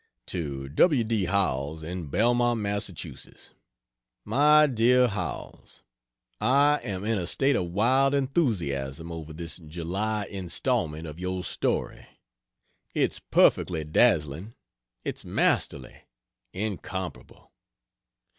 To W. D. Howells, in Belmont, Mass.: MY DEAR HOWELLS, I am in a state of wild enthusiasm over this July instalment of your story. It's perfectly dazzling it's masterly incomparable.